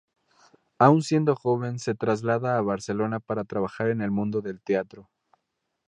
Aún siendo joven se traslada a Barcelona para trabajar en el mundo del teatro.